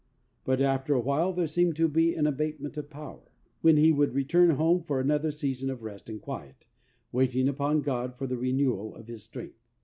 But after a while there seemed to be an abatement of power, when he would return home for another season of rest and quiet, waiting upon God for the renewal of his strength.